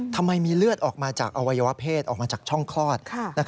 ทำไมมีเลือดออกมาจากอวัยวะเพศออกมาจากช่องคลอด